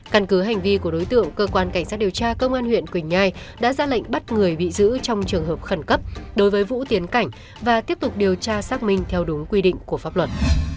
căn cứ hành vi của đối tượng cơ quan cảnh sát điều tra công an huyện quỳnh nhai đã ra lệnh bắt người bị giữ trong trường hợp khẩn cấp đối với vũ tiến cảnh và tiếp tục điều tra xác minh theo đúng quy định của pháp luật